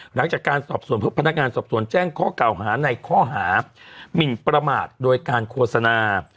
หลังจากการสอบส่วนพบพนักงานสอบสวนแจ้งข้อเก่าหาในข้อหามินประมาทโดยการโฆษณา